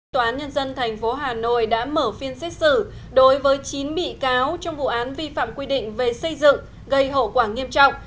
tòa án nhân dân tp hà nội đã mở phiên xét xử đối với chín bị cáo trong vụ án vi phạm quy định về xây dựng gây hậu quả nghiêm trọng